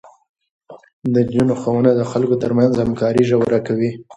د نجونو ښوونه د خلکو ترمنځ همکاري ژوره کوي.